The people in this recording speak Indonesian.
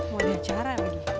mau ada acara lagi